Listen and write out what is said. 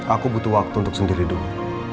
aku butuh waktu untuk sendiri dulu